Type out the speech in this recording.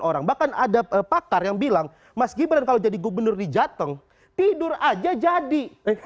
orang bahkan ada pakar yang bilang mas gibran kalau jadi gubernur di jateng tidur aja jadi